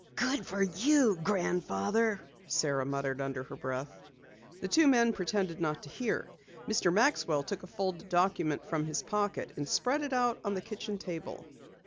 "Good for you, Grandfather!" muttered Sara under her breath. The two men pretended not to hear. Mr. Maxwell took a folded document from his pocket and spread it out on the kitchen table.